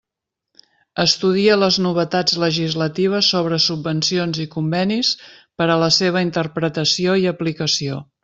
Estudia les novetats legislatives sobre subvencions i convenis per a la seva interpretació i aplicació.